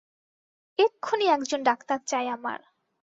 এক্ষুণি একজন ডাক্তার চাই আমার।